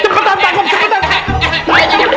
cepetan tangkep cepetan